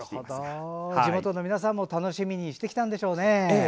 地元の皆さんも楽しみにしてきたんでしょうね。